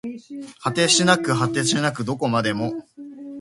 果てしなく果てしなくどこまでも